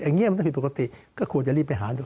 อย่างนี้มันไม่เป็นปกติก็ควรจะรีบไปหา